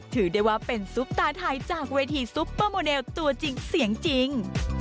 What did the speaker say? ถือได้ว่าเป็นซุปตาไทยจากเวทีซุปเปอร์โมเนลตัวจริงเสียงจริง